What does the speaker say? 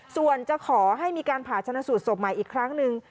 ส่วนจะขอให้มีการผ่าชนะสูตรศพใหม่อีกครั้งหนึ่ง